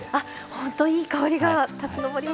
ほんといい香りが立ち上りますね。